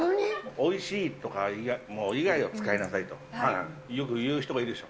おいしいとか以外を使いなさいと、よく言う人がいるでしょ。